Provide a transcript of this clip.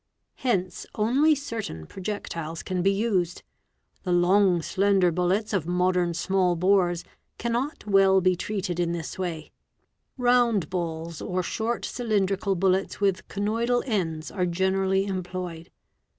Hence only certain projectiles can be used. The long slender bullets of modern small bores ~ cannot well be treated in this way: round balls or short cylindrical — bullets with conoidal ends are generally employed.